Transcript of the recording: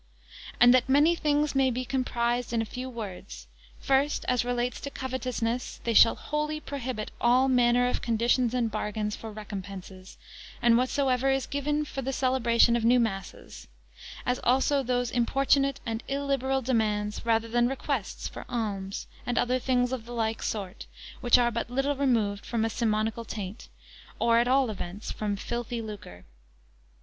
And that many things may be comprised in a few words: first, as relates to covetousness: they shall wholly prohibit all manner of conditions and bargains for recompenses, and whatsoever is given for the celebration of new masses; as also those importunate and illiberal demands, rather than requests, for alms, and other things of the like sort, which are but little removed from a simonical taint, or at all events, from filthy lucre.